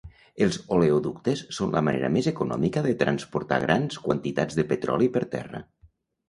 Els oleoductes són la manera més econòmica de transportar grans quantitats de petroli per terra.